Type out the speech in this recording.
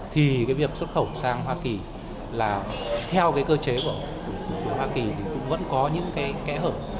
thì việc xuất khẩu sang hoa kỳ là theo cơ chế của hoa kỳ vẫn có những kẽ hợp